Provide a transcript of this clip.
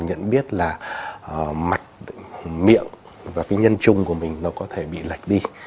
nhận biết là mặt miệng và cái nhân chung của mình nó có thể bị lạch đi